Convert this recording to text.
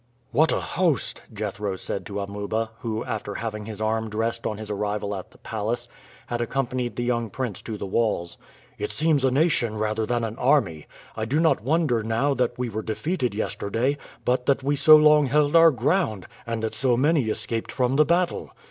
"What a host!" Jethro said to Amuba, who, after having his arm dressed on his arrival at the palace, had accompanied the young prince to the walls. "It seems a nation rather than an army. I do not wonder now that we were defeated yesterday, but that we so long held our ground, and that so many escaped from the battle."